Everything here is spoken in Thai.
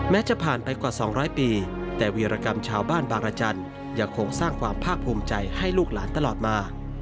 จะผ่านไปกว่า๒๐๐ปีแต่วีรกรรมชาวบ้านบางรจันทร์ยังคงสร้างความภาคภูมิใจให้ลูกหลานตลอดมา